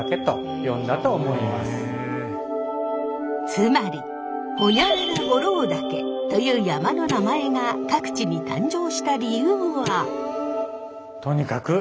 つまりホニャララ五郎岳という山の名前が各地に誕生した理由は。